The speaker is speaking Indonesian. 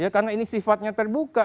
karena ini sifatnya terbuka